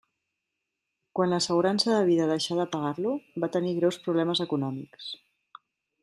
Quan l'assegurança de vida deixà de pagar-lo, va tenir greus problemes econòmics.